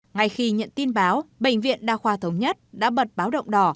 ngay khi nhận tin báo bệnh viện đa khoa thống nhất đã bật báo động đỏ